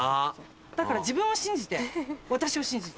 だから自分を信じて私を信じて。